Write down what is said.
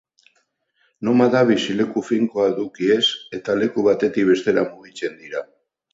Nomadak bizileku finkoa eduki ez eta leku batetik bestera mugitzen dira.